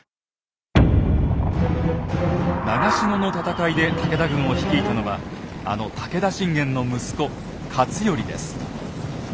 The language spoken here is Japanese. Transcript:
長篠の戦いで武田軍を率いたのはあの武田信玄の息子勝頼です。